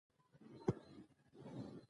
دوستانه اړېکي پیل سوي وه.